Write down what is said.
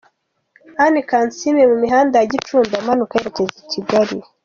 Anne Kansiime mu mihanda ya Gicumbi amanuka yerekeza i Kigali.